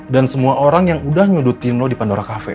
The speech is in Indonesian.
semua orang yang udah nyudutin lo di pandora kafe